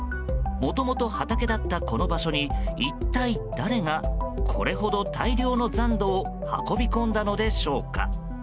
もともと畑だったこの場所に一体誰が、これほど大量の残土を運び込んだのでしょうか。